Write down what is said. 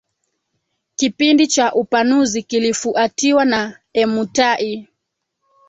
Kipindi cha upanuzi kilifuatiwa na Emutai